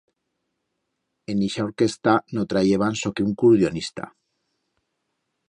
En ixa orquesta no trayeban soque un curdionista.